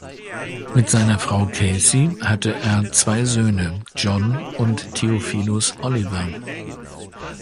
Mit seiner Frau Kathy hatte er zwei Söhne, John und Theophilus Oliver.